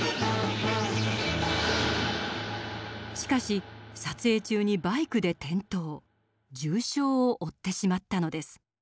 しかし撮影中にバイクで転倒重傷を負ってしまったのです。